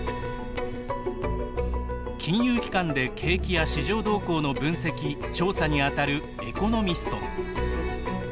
金融機関で、景気や市場動向の分析・調査に当たるエコノミスト。